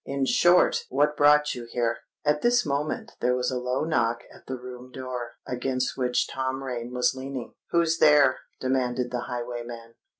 In short, what brought you here?" At this moment there was a low knock at the room door, against which Tom Rain was leaning. "Who's there?" demanded the highwayman.